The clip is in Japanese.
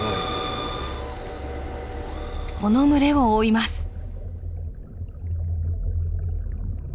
この群れを追います。